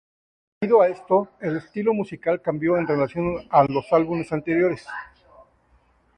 Debido a esto, el estilo musical cambió en relación a los álbumes anteriores.